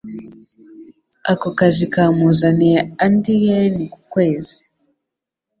Ako kazi kamuzanira andi yen ku kwezi.